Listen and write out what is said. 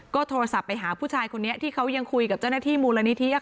ก็โทรศัพท์ไปหาผู้ชายคนนี้ที่เขายังคุยกับเจ้าหน้าที่มูลนิธิ